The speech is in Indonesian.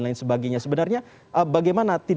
tadi diperbagikan bisa langsung se nagtions